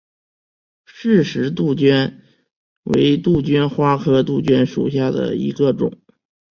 饰石杜鹃为杜鹃花科杜鹃属下的一个种。